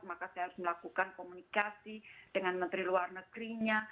maka saya harus melakukan komunikasi dengan menteri luar negerinya